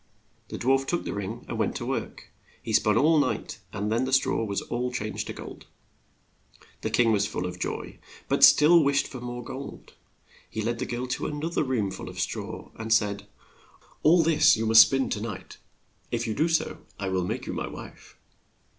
The dwarf took the ring and went to work. He spun all night, and then the straw was all changed to gold. The king was full of joy, but wished for still more gold. He led the girl to an oth er room full of straw and said, "All this you must spin to night. If you do so, I will make you my wife.